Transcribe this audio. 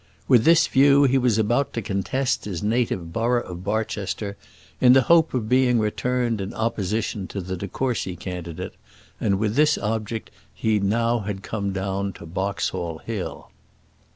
With this view he was about to contest his native borough of Barchester, in the hope of being returned in opposition to the de Courcy candidate; and with this object he had now come down to Boxall Hill.